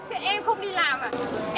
em không đi làm à